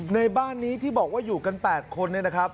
ในบ้านนี้ที่บอกว่าอยู่กัน๘คน